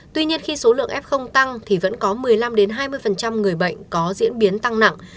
tuy nhiên khi số lượng f tăng thì vẫn có một mươi năm hai mươi người bệnh có diễn biến tăng nặng